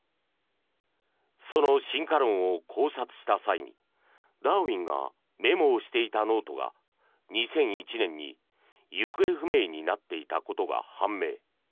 その進化論を考察した際にダーウィンがメモをしていたノートが２００１年に行方不明になっていたことが判明。